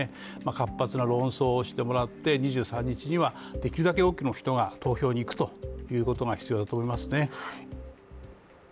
活発な論争をしてもらって２３日にはできるだけ多くの人が投票に行くということが必要だと思います。